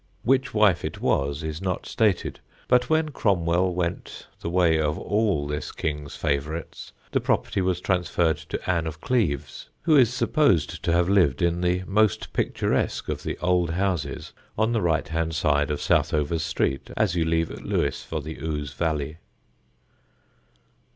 Which wife it was, is not stated, but when Cromwell went the way of all this king's favourites, the property was transferred to Ann of Cleves, who is supposed to have lived in the most picturesque of the old houses on the right hand side of Southover's street as you leave Lewes for the Ouse valley.